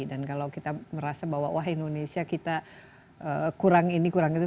dan kalau kita merasa bahwa wah indonesia kita kurang ini kurang itu